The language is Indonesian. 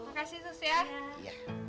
makasih suster ya